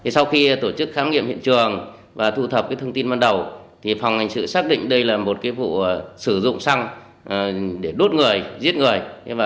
sau khi tổ chức khám nghiệm hiện trường và thu thập thông tin ban đầu phòng hành sự xác định đây là một vụ sử dụng xăng để đốt người giết người